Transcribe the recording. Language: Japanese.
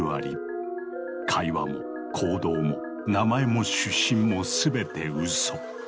会話も行動も名前も出身も全て嘘。